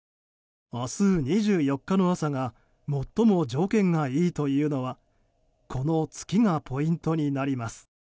明日２４日の朝が最も条件がいいというのはこの月がポイントになります。